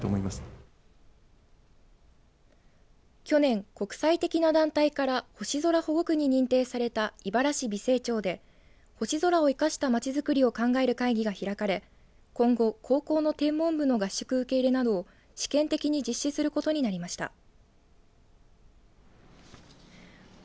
去年、国際的な団体から星空保護区に認定された井原市美星町で星空をいかしたまちづくりを考える会議が開かれ今後、高校の天文部の合宿受け入れなど試験的に実施することになりました。